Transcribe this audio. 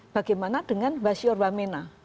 bagaimana dengan basyur wamena